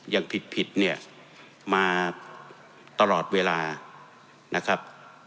อย่างผิดเนี่ยมาตลอดเวลานะครับ